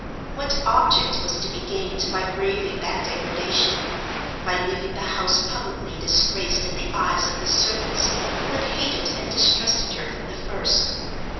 What object was to be gained by braving that degradation—by leaving the house publicly disgraced in the eyes of the servants who had hated and distrusted her from the first?